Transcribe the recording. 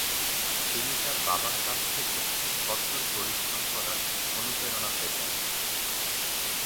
তিনি তার বাবার কাছ থেকে কঠোর পরিশ্রম করার অনুপ্রেরণা পেতেন।